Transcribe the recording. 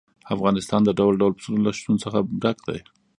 افغانستان د ډول ډول پسونو له شتون څخه ډک دی.